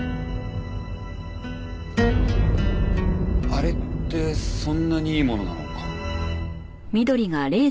あれってそんなにいいものなのか？